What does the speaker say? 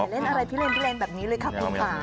เล่นอะไรพิเลนแบบนี้เลยค่ะคุณป่า